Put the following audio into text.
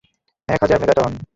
এক হাজার মেগাটন!